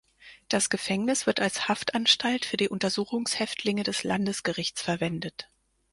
Das Gefängnis wird als Haftanstalt für die Untersuchungshäftlinge des Landesgerichts verwendet.